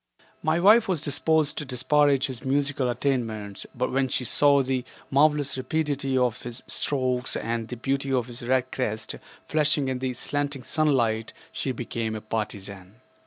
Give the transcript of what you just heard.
My wife was disposed to disparage his musical attainments, but when she saw the marvelous rapidity of his strokes and the beauty of his red crest flashing in the slanting sunlight she became a partisan.